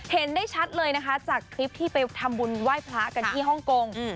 เห็นได้ชัดเลยนะคะจากคลิปที่ไปทำบุญไหว้พระกันที่ฮ่องกง